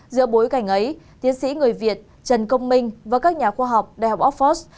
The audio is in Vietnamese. giữa bối cảnh ấy tiến sĩ người việt trần công minh và các nhà khoa học đại học oxford